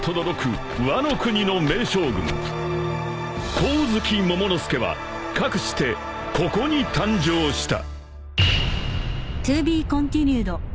ワノ国の名将軍光月モモの助はかくしてここに誕生した！］